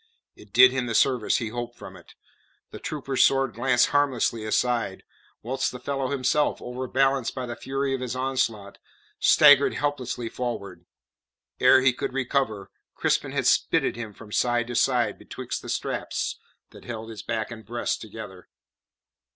It did him the service he hoped from it; the trooper's sword glanced harmlessly aside, whilst the fellow himself, overbalanced by the fury of his onslaught, staggered helplessly forward. Ere he could recover, Crispin had spitted him from side to side betwixt the straps that held his back and breast together.